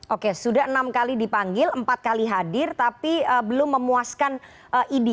oke sudah enam kali dipanggil empat kali hadir tapi belum memuaskan idi